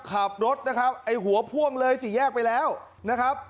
ขับรถนะครับไอ้หัวพ่วงเลยสี่แยกไปแล้วนะครับ